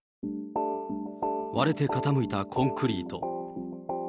割れて傾いたコンクリート。